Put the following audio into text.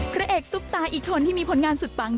พระเอกซุปตาอีกคนที่มีผลงานสุดปัง